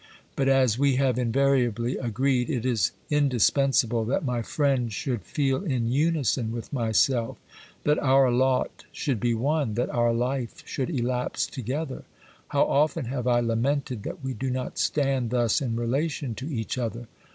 But, as we have invariably agreed, it is indispensable that my friend should feel in unison with myself; that our lot should be one; that our life should elapse together. How often have I lamented that we do not stand thus in relation to each other